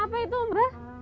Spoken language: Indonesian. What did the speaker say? apa itu mbah